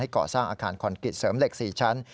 ก่อสร้างอาคารคอนกิตเสริมเหล็ก๔ชั้น